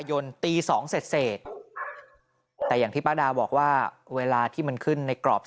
หลังจากพบศพผู้หญิงปริศนาตายตรงนี้ครับ